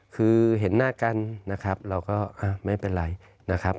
คือเห็นหน้ากันนะครับเราก็ไม่เป็นไรนะครับ